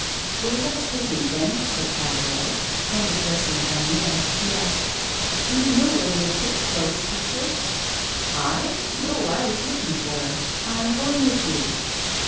'Well, let's proceed then,' said Fagerolles; and, addressing Gagnière, he asked, 'Do you know where they have put Claude's picture?' 'I? no, I was looking for it I am going with you.